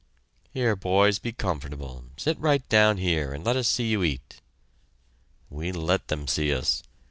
"Here, boys, be comfortable; sit right down here and let us see you eat." We let them see us!